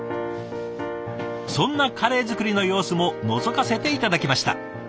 そんなカレー作りの様子ものぞかせて頂きました。